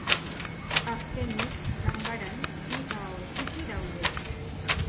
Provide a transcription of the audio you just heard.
Azkenik, ganbaran, bi bao txiki daude.